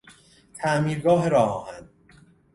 تعمیرگاه راه آهن